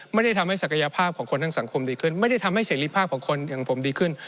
ไม่ได้ทำให้ศักยภาพของคนทั้งสังคมดีขึ้นไม่ได้ทำให้เสรีภาพของคนอย่างผมดีขึ้น